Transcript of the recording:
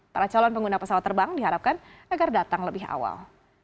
para calon pengguna pesawat terbang diharapkan agar datang lebih awal